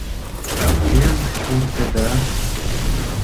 Кӧм пуртеда?